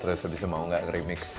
terus abis itu mau gak remix